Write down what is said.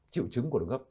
triệu chứng của đường gấp